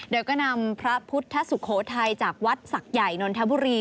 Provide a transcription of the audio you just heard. โดยก็นำพระพุทธสุโขทัยจากวัดศักดิ์ใหญ่นนทบุรี